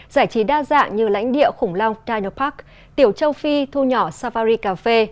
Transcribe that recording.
giải trí đa dạng như lãnh địa khủng long dinopark tiểu châu phi thu nhỏ safari cafe